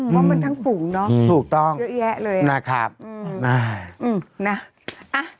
ว่ามันทั้งฝุงเนาะถูกต้องเยอะแยะเลยนะครับอืมน่ะอ่ะ